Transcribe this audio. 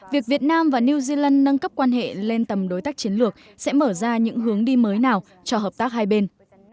việc việt nam và new zealand nâng cấp quan hệ lên tầm đối tác chiến lược sẽ mở ra những hướng đi mới nào cho hợp tác hai bên